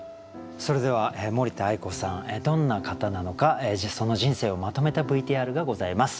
それでは森田愛子さんどんな方なのかその人生をまとめたＶＴＲがございます。